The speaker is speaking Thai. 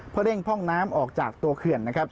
เพื่อเร่งพ่องน้ำออกจากตัวเกือร์